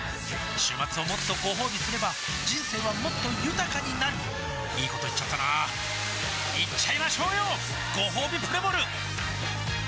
週末をもっとごほうびすれば人生はもっと豊かになるいいこと言っちゃったなーいっちゃいましょうよごほうびプレモル